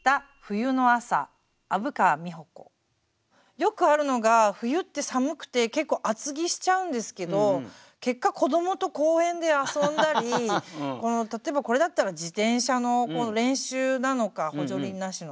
よくあるのが冬って寒くて結構厚着しちゃうんですけど結果子どもと公園で遊んだり例えばこれだったら自転車の練習なのか補助輪なしの。